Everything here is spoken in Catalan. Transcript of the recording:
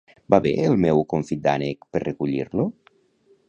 Va bé el meu confit d'ànec per recollir-lo?